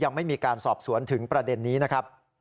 ยังไม่มีการสอบสวนถึงประเด็นนี้นะครับ